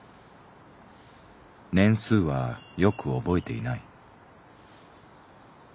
年数はよく覚えていない。